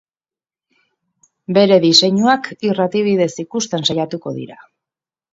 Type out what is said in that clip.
Bere diseinuak irrati bidez ikusten saiatuko dira.